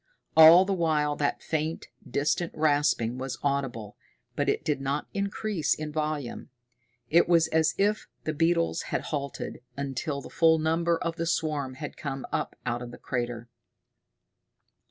All the while that faint, distant rasping was audible, but it did not increase in volume. It was as if the beetles had halted until the full number of the swarm had come up out of the crater.